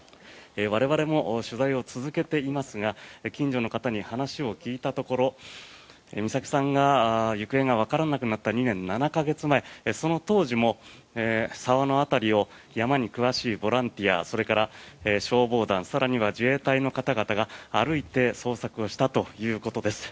我々も取材を続けていますが近所の方に話を聞いたところ美咲さんの行方がわからなくなった２年７か月前その当時も沢の辺りを山に詳しいボランティアそれから消防団更には自衛隊の方々が歩いて捜索をしたということです。